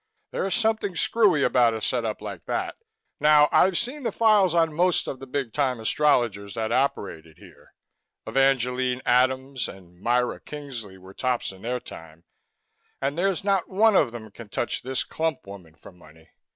There's something screwy about a set up like that. Now I've seen the files on most of the big time astrologers that operated here Evangeline Adams and Myra Kingsley were tops in their time and there's not one of them can touch this Clump woman for money.